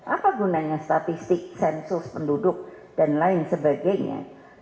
apa gunanya statistik sensus penduduk dan lain sebagainya